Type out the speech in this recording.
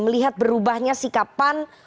melihat berubahnya sikapan